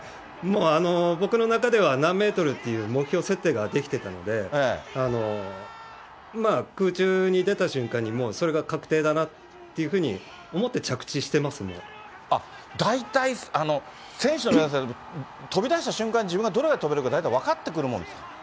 もう、僕の中では、何メートルっていう目標設定ができてたので、まあ、空中に出た瞬間にもうそれが確定だなっていうふうに思って着地し大体、選手の皆さんって、飛び出した瞬間に、自分がどれだけ飛べるか大体分かってくるもんですか。